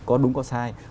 có đúng có sai